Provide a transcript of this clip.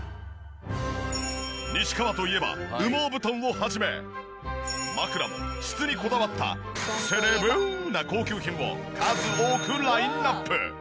西川といえば羽毛布団を始め枕も質にこだわったセレブな高級品を数多くラインアップ。